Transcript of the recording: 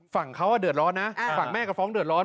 ฝั่งเขาเดือดร้อนนะฝั่งแม่กับฟ้องเดือดร้อน